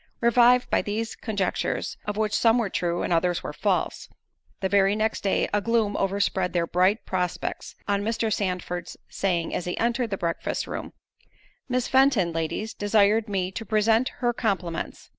Revived by these conjectures, of which some were true, and others false; the very next day a gloom overspread their bright prospects, on Mr. Sandford's saying, as he entered the breakfast room, "Miss Fenton, ladies, desired me to present her compliments."